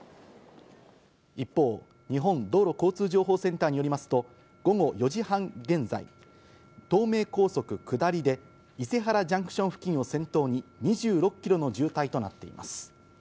一方、日本道路交通情報センターによりますと、午後４時半現在、東名高速下りで伊勢原ジャンクション付近を先頭に２６キロの渋滞